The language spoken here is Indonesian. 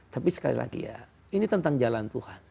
tapi sekali lagi ya ini tentang jalan tuhan